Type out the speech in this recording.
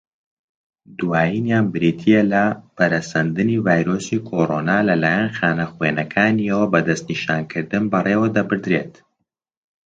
دوایینیان بریتییە لە، پەرەسەندنی ڤایرۆسی کۆڕۆنا لەلایەن خانەخوێنەکانییەوە بە دەستنیشانکردن بەڕێوەدەبردێت.